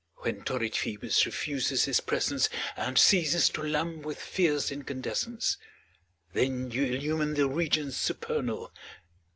When torrid Phoebus refuses his presence And ceases to lamp with fierce incandescence^ Then you illumine the regions supernal.